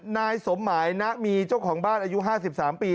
นายสมหมายนะมีเจ้าของบ้านอายุ๕๓ปี